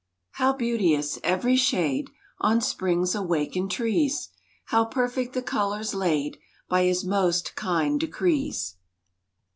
How beauteous every shade On Spring's awakened trees! How perfect the colors laid By His most kind decrees!